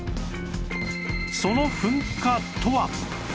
その噴火とは？